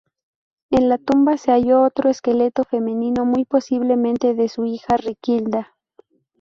En la tumba se halló otro esqueleto femenino, muy posiblemente de su hija Riquilda.